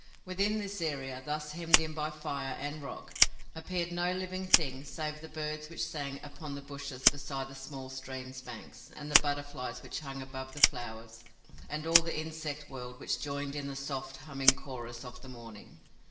Within this area, thus hemmed in by fire and rock, appeared no living thing save the birds which sang upon the bushes beside the small stream's banks and the butterflies which hung above the flowers and all the insect world which joined in the soft, humming chorus of the morning.